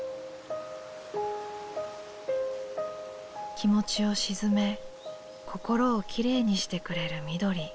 気持ちを静め心をきれいにしてくれる緑。